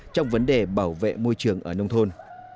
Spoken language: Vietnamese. trong vấn đề bảo vệ môi trường ở nông thôn